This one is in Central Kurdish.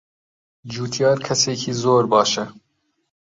جوتیار کەسێکی زۆر باشە.